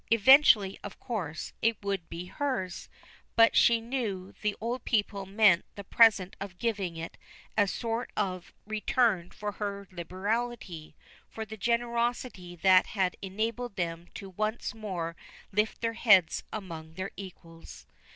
Eventually, of course, it would be hers, but she knew the old people meant the present giving of it as a sort of return for her liberality for the generosity that had enabled them to once more lift their heads among their equals.